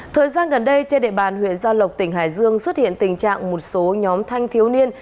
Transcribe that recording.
thời gian gần đây trên địa bàn huyện gia lộc tỉnh hải dương xuất hiện tình trạng một số nhóm thanh thiếu niên